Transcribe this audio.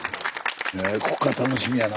こっから楽しみやな